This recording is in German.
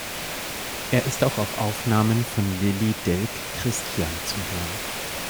Er ist auch auf Aufnahmen von Lillie Delk Christian zu hören.